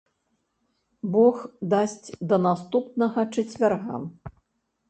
Бог дасць, да наступнага чацвярга.